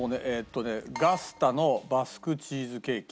ガスタのバスクチーズケーキ。